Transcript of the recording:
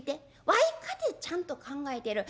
わいかてちゃんと考えてる。